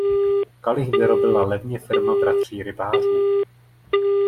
Kalich vyrobila levně firma bratří Rybářů.